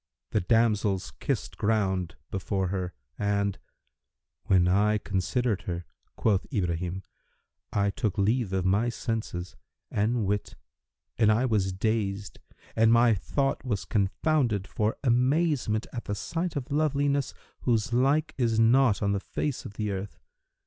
The damsels kissed ground before her, and, 'When I considered her" (quoth Ibrahim), "I took leave of my senses and wit and I was dazed and my thought was confounded for amazement at the sight of loveliness whose like is not on the face of the earth.